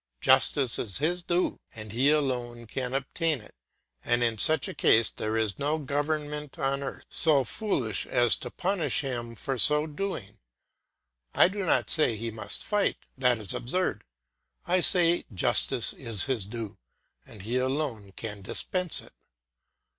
Justice is his due, and he alone can obtain it, and in such a case there is no government on earth so foolish as to punish him for so doing. I do not say he must fight; that is absurd; I say justice is his due, and he alone can dispense it.